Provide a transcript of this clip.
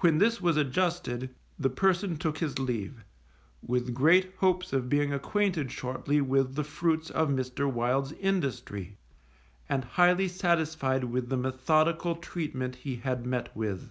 When this was adjusted, the person took his leave, with great hopes of being acquainted shortly with the fruits of Mr. Wild's industry, and highly satisfied with the methodical treatment he had met with.